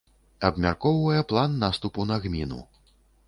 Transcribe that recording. Абмяркоўвае план наступу на гміну.